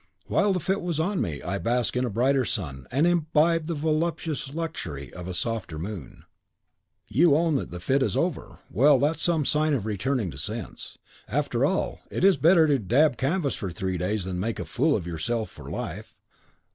"While the fit was on me, I basked in a brighter sun, and imbibed the voluptuous luxury of a softer moon." "You own that the fit is over. Well, that is some sign of returning sense. After all, it is better to daub canvas for three days than make a fool of yourself for life.